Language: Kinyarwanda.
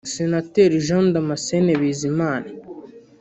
Senateri Jean Damascene Bizimana